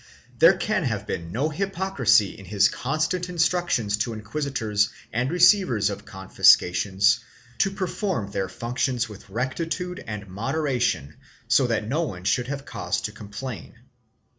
There can have been no hypocrisy in his constant instructions to inquisitors and re ceivers of confiscations to perform their functions with rectitude and moderation so that no one should have cause to complain.